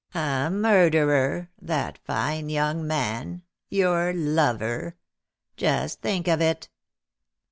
"A murderer that fine young man your lover! Just think of it!"